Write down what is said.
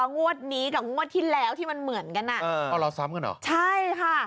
งวดนี้กับงวดที่แล้วที่มันเหมือนกันอ่ะเออเอาเราซ้ำกันเหรอใช่ค่ะ